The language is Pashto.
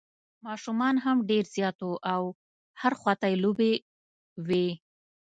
ماشومان هم ډېر زیات وو او هر خوا ته یې لوبې وې.